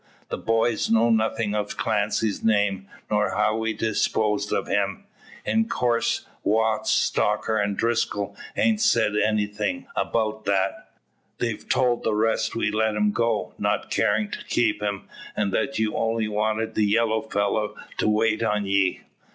"The boys know nothin' o' Clancy's name, nor how we disposed o' him. In coorse, Watts, Stocker, an' Driscoll, haint sayed anything 'bout that. They've told the rest we let him go, not carin' to keep him; and that you only wanted the yellow fellow to wait on ye."